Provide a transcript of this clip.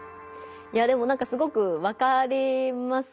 いやでもなんかすごくわかりますね。